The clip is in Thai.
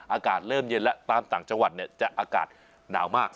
อากาศเริ่มเย็นแล้วตามต่างจังหวัดจะอากาศหนาวมาก